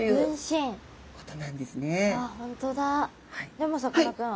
でもさかなクン